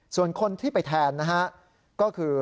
ส่วนคนที่ไปแทนนะฮะก็คือ